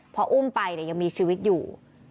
พออุ้มไปยังมีชีวิตอยู่